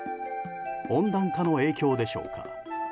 温暖化の影響でしょうか。